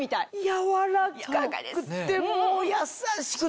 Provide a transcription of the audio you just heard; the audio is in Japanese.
柔らかくってもう優しくて。